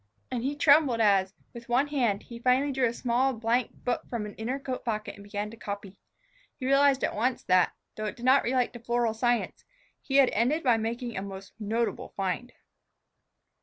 And he trembled as, with one hand, he finally drew a small blank book from an inner coat pocket and began to copy. He realized at once that, though it did not relate to floral science, he had ended by making a most notable find.